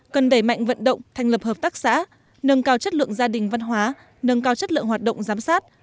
cần đẩy mạnh vận động thành lập hợp tác xã nâng cao chất lượng gia đình văn hóa nâng cao chất lượng hoạt động giám sát